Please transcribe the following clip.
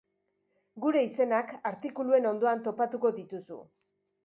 Gure izenak artikuluen ondoan topatuko dituzu.